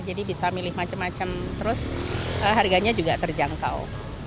jadi bisa milih macam macam terus harganya juga terjangkau